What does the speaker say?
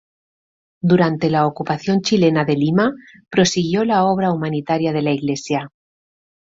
Durante la ocupación chilena de Lima, prosiguió la obra humanitaria de la Iglesia.